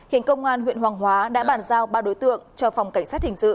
hiện công an huyện hoàng hóa đã bàn giao ba đối tượng cho phòng cảnh sát hình sự